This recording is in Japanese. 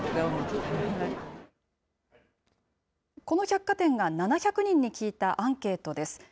この百貨店が７００人に聞いたアンケートです。